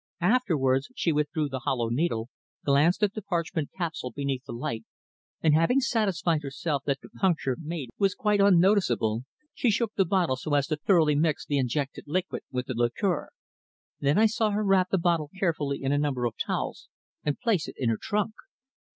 Afterwards she withdrew the hollow needle, glanced at the parchment capsule beneath the light, and having satisfied herself that the puncture made was quite unnoticeable, she shook the bottle so as to thoroughly mix the injected liquid with the liqueur. Then I saw her wrap the bottle carefully in a number of towels and place it in her trunk.